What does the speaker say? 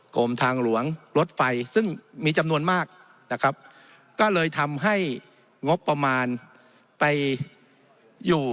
กรมทางหลวงรถไฟซึ่งมีจำนวนมากนะครับก็เลยทำให้งบประมาณไปอยู่